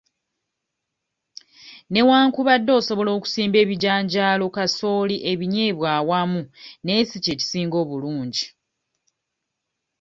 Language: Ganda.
Newankubadde osobola okusimba ebijanjaalo, kasooli, ebinyeebwa wamu naye si kye kisinga obulungi.